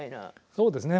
そうですね